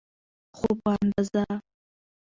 خو په اندازه.